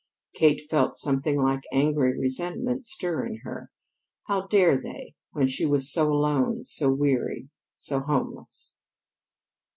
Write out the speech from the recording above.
Kate felt something like angry resentment stir in her. How dared they, when she was so alone, so weary, so homeless?